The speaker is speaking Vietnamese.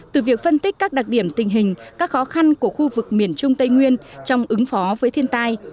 từ việc phân tích các đặc điểm tình hình các khó khăn của khu vực miền trung tây nguyên trong ứng phó với thiên tai